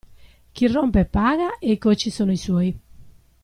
Chi rompe paga e i cocci sono i suoi.